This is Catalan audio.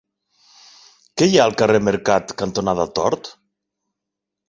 Què hi ha al carrer Mercat cantonada Tort?